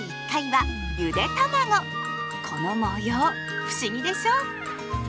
この模様不思議でしょ？